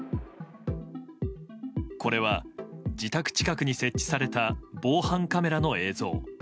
これは自宅近くに設置された防犯カメラの映像。